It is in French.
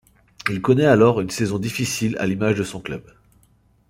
Il connait alors une saison difficile à l'image de son club.